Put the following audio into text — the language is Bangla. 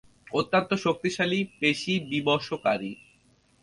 অত্যন্ত শক্তিশালী পেশী বিবশকারী।